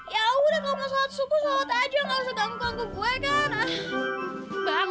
ya udah kalau mau sholat subuh sholat aja gak usah bangun ke aku gue kan